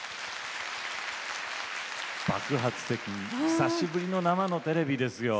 久しぶりの生のテレビですよ。